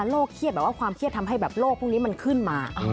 เครียดแบบว่าความเครียดทำให้แบบโลกพวกนี้มันขึ้นมา